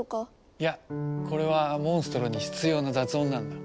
いやこれはモンストロに必要な雑音なんだ。